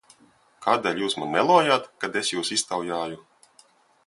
Kādēļ jūs man melojāt, kad es jūs iztaujāju?